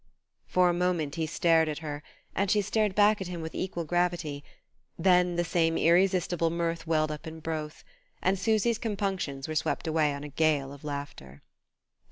For a moment he stared at her, and she stared back at him with equal gravity; then the same irresistible mirth welled up in both, and Susy's compunctions were swept away on a gale of laughter.